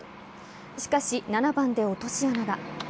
しかし、７番で落とし穴が。